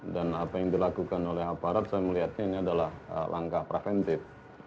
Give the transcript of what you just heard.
dan apa yang dilakukan oleh aparat saya melihatnya ini adalah langkah preventif